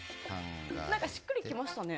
しっくりきましたね。